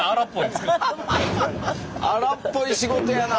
荒っぽい仕事やな。